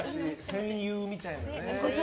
戦友みたいなね。